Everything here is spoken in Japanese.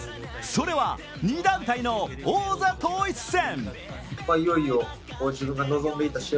それは２団体の王座統一戦。